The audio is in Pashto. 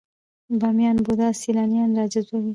د بامیان بودا سیلانیان راجذبوي؟